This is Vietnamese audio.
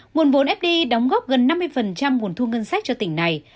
nguồn vốn fdi đóng góp gần năm mươi nguồn thu ngân sách cho tỉnh này